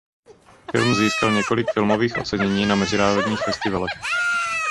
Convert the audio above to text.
Film získal několik filmových ocenění na mezinárodních festivalech.